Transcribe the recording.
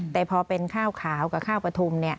แต่พอเป็นข้าวขาวกับข้าวปฐุม